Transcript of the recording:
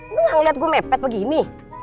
lu gak ngeliat gue mepet begini